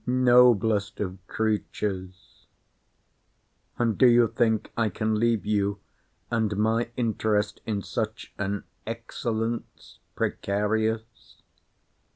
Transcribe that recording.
Noblest of creatures!—And do you think I can leave you, and my interest in such an excellence, precarious?